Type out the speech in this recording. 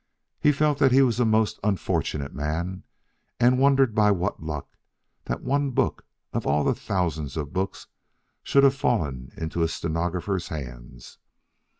He felt that he was a most unfortunate man and wondered by what luck that one book of all the thousands of books should have fallen into his stenographer's hands.